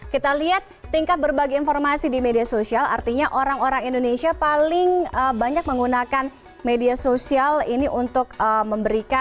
kita lihat tingkat berbagai informasi di media sosial artinya orang orang indonesia paling banyak menggunakan media sosial ini untuk memberikan